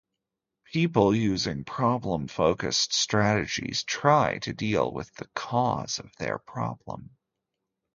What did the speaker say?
People using problem-focused strategies try to deal with the cause of their problem.